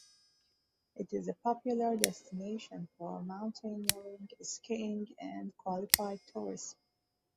It is a popular destination for mountaineering, skiing, and qualified tourism.